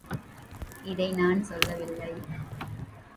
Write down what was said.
இதை நான் சொல்லவில்லை.